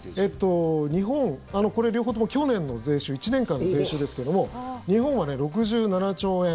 日本、これ両方とも去年の税収１年間の税収ですけども日本は６７兆円。